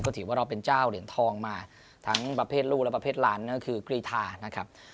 ปกติว่าเราเป็นเจ้าเหรียญทองมาทั้งประเภทลูกและประเภทล้านคือกีฬานะครับ